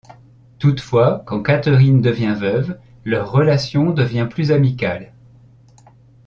Toutefois, quand Catherine devient veuve, leur relation devient plus amicale.